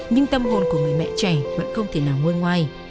nhưng tâm hồn của người mẹ trẻ vẫn không thể nào ngôi ngoài